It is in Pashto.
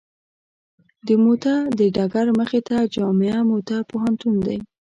د موته د ډګر مخې ته جامعه موته پوهنتون دی.